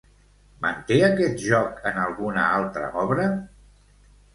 Manté aquest joc en alguna altra obra?